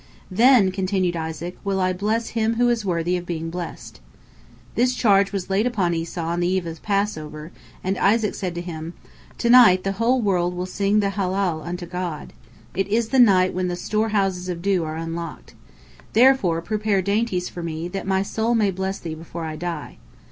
"Then," continued Isaac, "will I bless him who is worthy of being blessed." This charge was laid upon Esau on the eve of the Passover, and Isaac said to him: "To night the whole world will sing the Hallel unto God. It is the night when the storehouses of dew are unlocked. Therefore prepare dainties for me, that my soul may bless thee before I die."